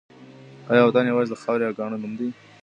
آیا وطن یوازې د خاورې او کاڼو نوم دی؟